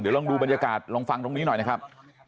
ลองดูบรรยากาศลองฟังตรงนี้หน่อยนะครับ